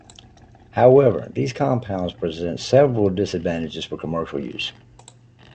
However, these compounds present several disadvantages for commercial use.